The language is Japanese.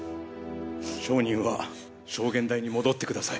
証人は証言台に戻ってください。